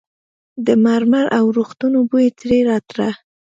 د مرمر او روغتون بوی ترې راته.